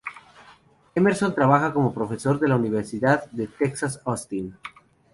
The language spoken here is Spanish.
Emerson trabaja como profesor en la Universidad de Texas, Austin.